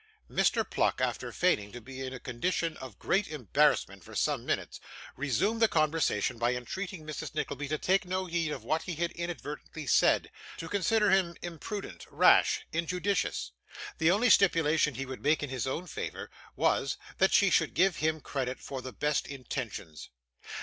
Mr. Pluck, after feigning to be in a condition of great embarrassment for some minutes, resumed the conversation by entreating Mrs. Nickleby to take no heed of what he had inadvertently said to consider him imprudent, rash, injudicious. The only stipulation he would make in his own favour was, that she should give him credit for the best intentions.